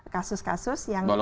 kasus kasus yang dikatakan